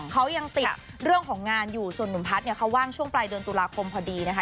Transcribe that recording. เขายังติดเรื่องของงานอยู่ส่วนหนุ่มพัฒน์เนี่ยเขาว่างช่วงปลายเดือนตุลาคมพอดีนะคะ